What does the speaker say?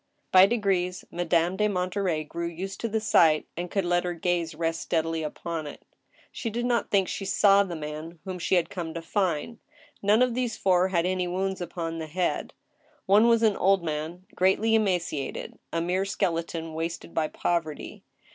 By degrees Madame de Monterey grew used to the sight, and could let her gaze rest steadfly upon it. She did not think she saw the man whom she had come to find. None of these four had any wounds upon the head. One was an old man greatly emaciated, a mere skeleton, wasted by poverty.